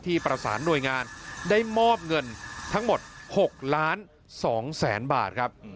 ประสานหน่วยงานได้มอบเงินทั้งหมด๖ล้าน๒แสนบาทครับ